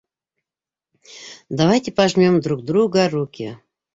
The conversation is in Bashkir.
Давайте, пожмем друг друга руки